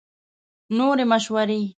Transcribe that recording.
نورې مشورې